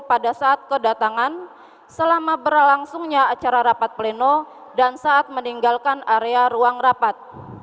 pada saat kedatangan selama berlangsungnya acara rapat pleno dan saat meninggalkan area ruang rapat